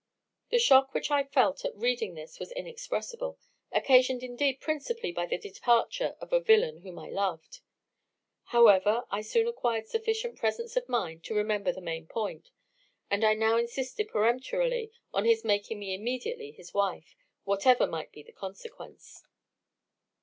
"The shock which I felt at reading this was inexpressible, occasioned indeed principally by the departure of a villain whom I loved. However, I soon acquired sufficient presence of mind to remember the main point; and I now insisted peremptorily on his making me immediately his wife, whatever might be the consequence.